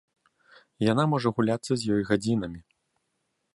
Яна можа гуляцца з ёй гадзінамі.